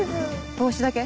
帽子だけ？